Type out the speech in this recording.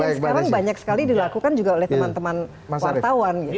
sekarang banyak sekali dilakukan juga oleh teman teman wartawan